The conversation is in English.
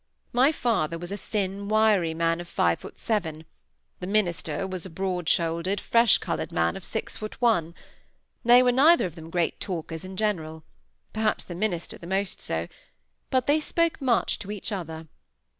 My father was a thin, wiry man of five foot seven; the minister was a broad shouldered, fresh coloured man of six foot one; they were neither of them great talkers in general—perhaps the minister the most so—but they spoke much to each other.